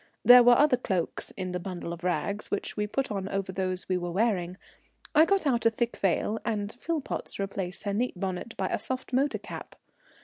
There were other cloaks in the bundle of rugs, which we put on over those we were wearing. I got out a thick veil, and Philpotts replaced her neat bonnet by a soft motor cap.